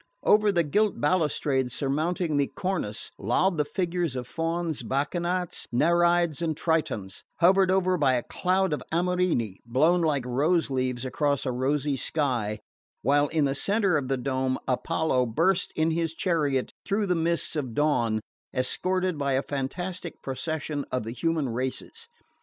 Over the gilt balustrade surmounting the cornice lolled the figures of fauns, bacchantes, nereids and tritons, hovered over by a cloud of amorini blown like rose leaves across a rosy sky, while in the centre of the dome Apollo burst in his chariot through the mists of dawn, escorted by a fantastic procession of the human races.